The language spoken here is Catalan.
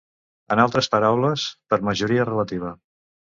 En altres paraules, per majoria relativa.